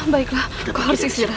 baiklah kau harus istirahat